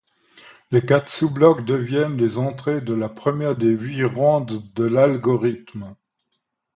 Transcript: Ces quatre sous-blocs deviennent les entrées de la première des huit rondes de l'algorithme.